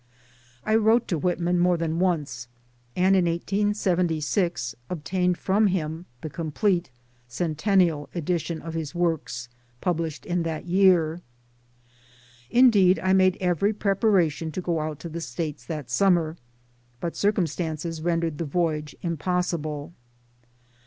I wrote to Whitman more than once, and in 1876 obtained from him the complete (Centennial) Edition of his works pub lished in that year. Indeed I made every preparation to go out to the States that summer, but circumstances rendered the voyage impossible.